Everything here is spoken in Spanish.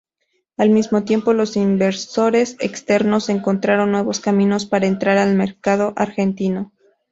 Al mismo tiempo, los inversores externos encontraron nuevos caminos para entrar al mercado argentino.